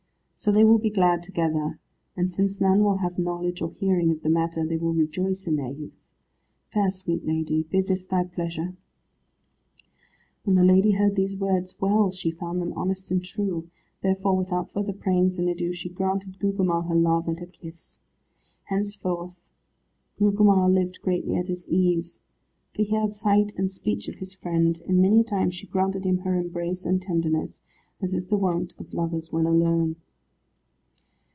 So they will be glad together, and since none will have knowledge or hearing of the matter, they will rejoice in their youth. Fair, sweet lady, be this thy pleasure?" When the lady heard these words well she found them honest and true. Therefore without further prayings and ado she granted Gugemar her love and her kiss. Henceforward Gugemar lived greatly at his ease, for he had sight and speech of his friend, and many a time she granted him her embrace and tenderness, as is the wont of lovers when alone.